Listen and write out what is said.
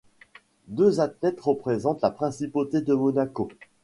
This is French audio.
Deux athlètes représentent la principauté de Monaco.